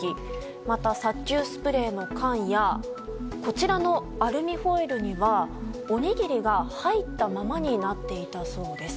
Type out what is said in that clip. また、殺虫スプレーの缶やこちらのアルミホイルにはおにぎりが入ったままになっていたそうです。